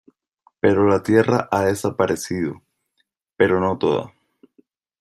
pero la tierra ha desaparecido, pero no toda.